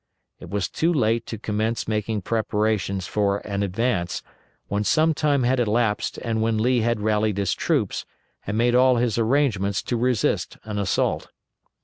It was too late to commence making preparations for an advance when some time had elapsed and when Lee had rallied his troops and had made all his arrangements to resist an assault.